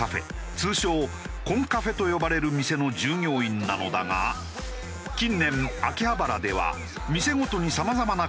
通称コンカフェと呼ばれる店の従業員なのだが近年秋葉原では店ごとにさまざまなコンセプトを設定。